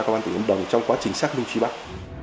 cơ quan tỉnh yên đồng trong quá trình xác minh trí bắt